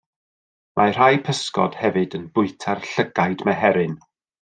Mae rhai pysgod hefyd yn bwyta'r llygaid meheryn.